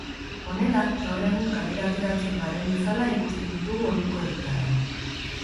Honela, gaur egun kalera ateratzen garen bezala ikusten ditugu orduko herritarrak.